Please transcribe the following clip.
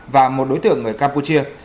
và một đối tượng ở campuchia